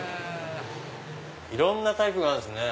いろんなタイプがあるんですね。